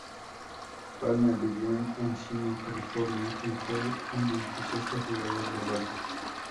Palmer vivió en Encino, California, y fue un entusiasta jugador de golf.